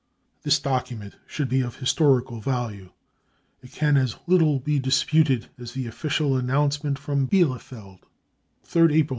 This document should be of historical value. It can as little be disputed as the official announcement from Bielefeld : <c Bielefeld, 3rd April, 1933.